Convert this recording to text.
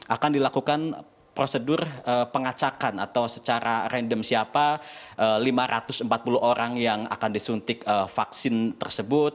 akan dilakukan prosedur pengacakan atau secara random siapa lima ratus empat puluh orang yang akan disuntik vaksin tersebut